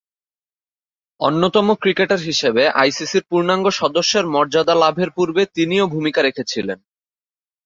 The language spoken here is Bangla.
অন্যতম ক্রিকেটার হিসেবে আইসিসি’র পূর্ণাঙ্গ সদস্যের মর্যাদা লাভের পূর্বে তিনিও ভূমিকা রেখেছিলেন।